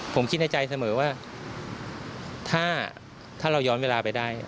ผมคิดในใจเสมอว่าถ้าเราย้อนเวลาไปได้